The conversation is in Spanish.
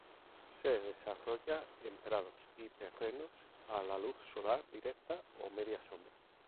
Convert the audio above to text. Se desarrolla en prados y terrenos a la luz solar directa ó media sombra.